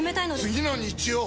次の日曜！